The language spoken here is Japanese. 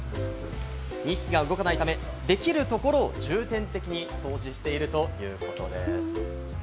２匹が動かないため、できるところを重点的に掃除しているということです。